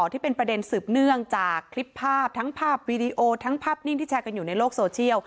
ที่เป็นประเด็นสืบเนื่องจากคลิปภาพทั้งภาพวีดีโอทั้งภาพนิ่งที่แชร์กันอยู่ในโลกโซเชียล